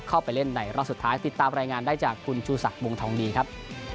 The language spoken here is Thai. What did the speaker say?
เข้าไปเล่นในรอบสุดท้ายติดตามรายงานได้จากคุณชูศักดิ์วงทองดีครับ